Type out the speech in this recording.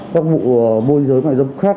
các vụ mua dưới mại dâm khác